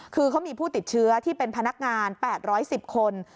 คือเขามีผู้ติดเชื้อที่เป็นพนักงาน๘๑๐คน